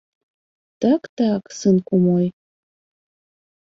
Так, так, сынку мой!